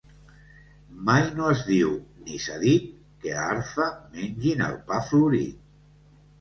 Mai no es diu, ni s'ha dit, que a Arfa mengin el pa florit.